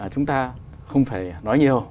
chúng ta không phải nói nhiều